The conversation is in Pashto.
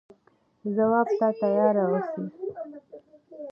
ځواب ته تیار اوسئ.